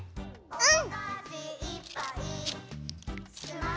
うん。